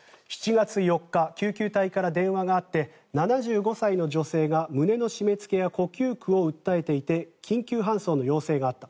７月４日救急隊から電話があって７５歳の女性が胸の締めつけや呼吸苦を訴えていて救急搬送の要請があった。